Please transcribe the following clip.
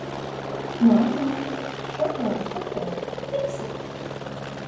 Mamma, šokolādes kokteili, fiksi!